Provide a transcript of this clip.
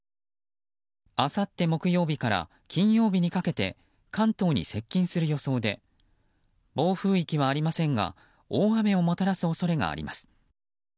あさって木曜日から金曜日にかけて関東に接近する予想で暴風域はありませんが大雨をもたらす恐れがあります。